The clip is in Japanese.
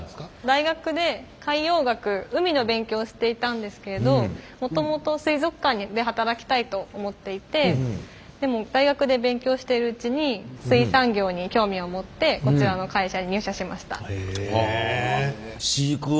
大学で海洋学海の勉強をしていたんですけれどもともと水族館で働きたいと思っていてでも大学で勉強しているうちに水産業に興味を持ってこちらの会社に入社しました。